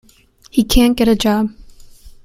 He can’t get a job.